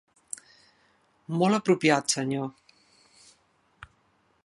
Molt apropiat, senyor.